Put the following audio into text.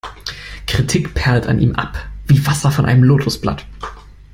Kritik perlt an ihm ab wie Wasser von einem Lotosblatt.